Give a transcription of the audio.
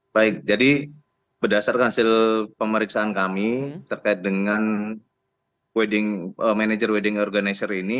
baik jadi berdasarkan hasil pemeriksaan kami terkait dengan manager wedding organizer ini